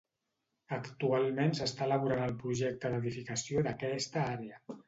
Actualment s'està elaborant el projecte d'edificació d'aquesta àrea.